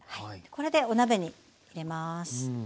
これでお鍋に入れます。